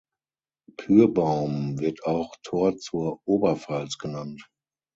Pyrbaum wird auch „Tor zur Oberpfalz“ genannt.